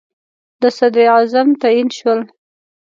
صدراعظم تعیین شول.